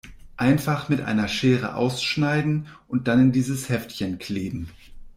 Einfach mit einer Schere ausschneiden und dann in dieses Heftchen kleben.